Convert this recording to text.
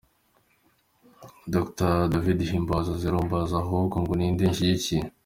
Dr David Himbara:Zero, mbaza ahubwo ngo ninde nshigikiye.